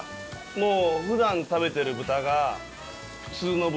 もう。